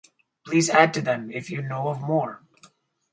Please add to them if you know of more.